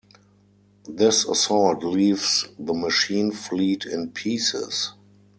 This assault leaves the machine fleet in pieces.